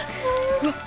うわっ